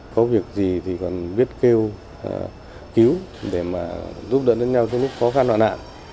có việc gì thì còn biết kêu cứu để mà giúp đỡ đến nhau trong lúc khó khăn hoạn hạn